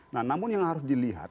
nah namun yang harus dilihat